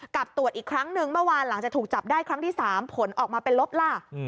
กลับตรวจอีกครั้งนึงเมื่อวานหลังจากถูกจับได้ครั้งที่๓ผลออกมาเป็นลบล่ะ